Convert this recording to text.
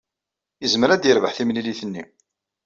Yezmer ad yerbeḥ timlilit-nni.